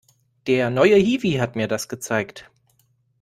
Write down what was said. Der neue Hiwi hat mir das gezeigt.